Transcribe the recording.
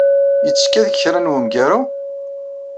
Yettekka deg kra n wemgaru?